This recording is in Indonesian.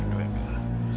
nggak ada mila